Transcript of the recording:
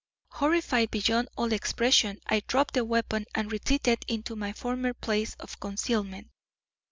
Horrified beyond all expression, I dropped the weapon and retreated into my former place of concealment.